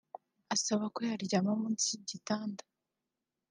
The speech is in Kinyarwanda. asaba ko yaryama munsi y’igitanda